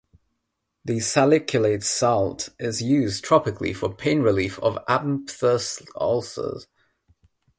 The salicylate salt is used topically for pain relief of aphthous ulcers.